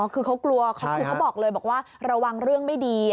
คือเขากลัวคือเขาบอกเลยบอกว่าระวังเรื่องไม่ดี